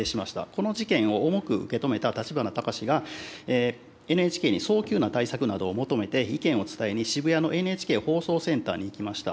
この事件を重く受け止めた立花孝志が、ＮＨＫに早急な対策などを求めて、意見を伝えに、渋谷のＮＨＫ放送センターに行きました。